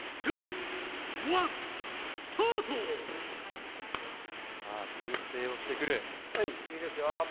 スタートさあ修正をしてくるいいですよ